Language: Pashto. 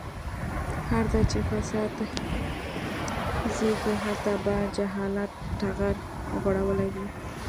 هر ځای چې فساد زيږي هلته به جهالت ټغر غوړولی وي.